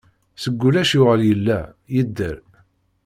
Seg ulac yuɣal yella, yedder.